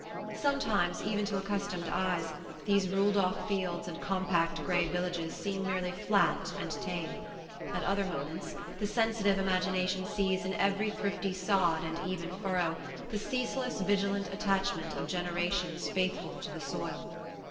Sometimes, even to accustomed eyes, these ruled off fields and compact grey villages seem merely flat and tame; at other moments the sensitive imagination sees in every thrifty sod and even furrow the ceaseless vigilant attachment of generations faithful to the soil.